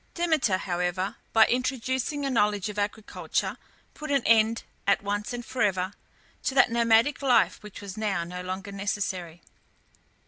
Demeter, however, by introducing a knowledge of agriculture, put an end, at once and for ever, to that nomadic life which was now no longer necessary.